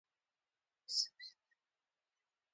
د انسان عصبي سيستم ډېر پيچلی جوړښت لري.